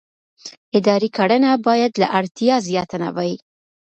اداري کړنه باید له اړتیا زیاته نه وي.